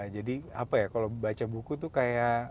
jadi apa ya kalau baca buku tuh kayak